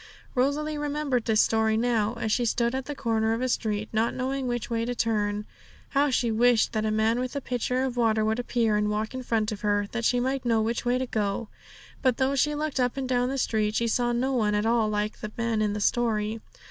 Rosalie remembered this story now, as she stood at the corner of a street, not knowing which way to turn. How she wished that a man with a pitcher of water would appear and walk in front of her, that she might know which way to go! But though she looked up and down the street, she saw no one at all like the man in the story.